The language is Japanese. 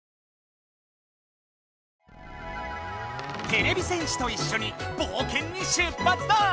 てれび戦士といっしょにぼうけんに出発だ！